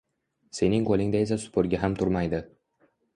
Sening qo`lingda esa supurgi ham turmaydi